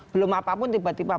belum apapun tiba tiba